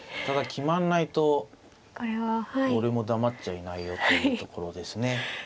ただ決まんないと俺も黙っちゃいないよというところですね。